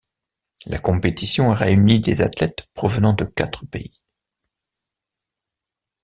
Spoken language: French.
La compétition a réuni des athlètes provenant de quatre pays.